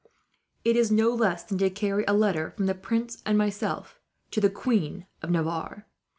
"It is no less than to carry a letter, from the prince and myself, to the Queen of Navarre.